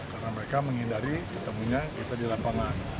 karena mereka menghindari ketemunya kita dilaporkan